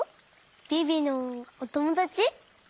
ビビのおともだち？